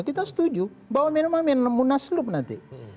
kita setuju bahwa minuman minum munaslup nanti